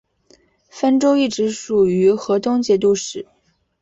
汾州一直属于河东节度使。